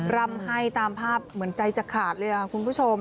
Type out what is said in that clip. รำให้ตามภาพเหมือนใจจะขาดเลยค่ะคุณผู้ชม